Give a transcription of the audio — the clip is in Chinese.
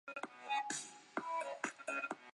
直隶省庆云县中马村人。